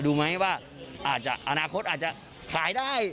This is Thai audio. ดูไหมว่าอาจจะอนาคตอาจจะขายได้